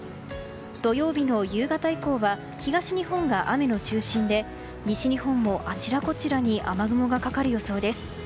土曜日の夕方以降は東日本が雨の中心で西日本もあちらこちらに雨雲がかかる予想です。